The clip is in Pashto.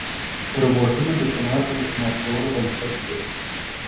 روبوټونه د صنعت د اتومات کولو بنسټ دي.